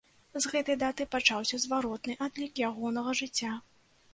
З гэтай даты пачаўся зваротны адлік ягонага жыцця.